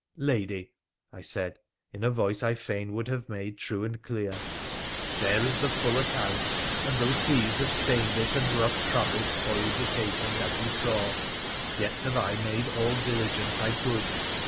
' Lady,' I said in a voice I fain would have made true and clear, * there is the full account, and though seas have stained it, and rough travel spoiled the casing, as you saw, yet have I made all diligence I could.